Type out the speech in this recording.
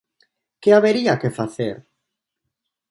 Que habería que facer?